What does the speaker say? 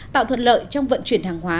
tạo thuận lợi trong vận chuyển hàng hóa